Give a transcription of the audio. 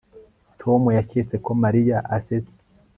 Tom yaketse ko Mariya asetsa